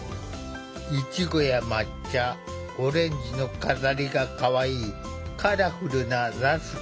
イチゴや抹茶オレンジの飾りがかわいいカラフルなラスク。